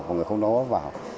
còn người không đóng góp vào